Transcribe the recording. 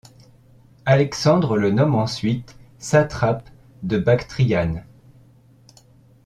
Alexandre le nomme ensuite satrape de Bactriane.